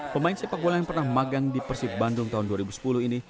pemain sepak bola yang pernah magang di persib bandung tahun dua ribu sepuluh ini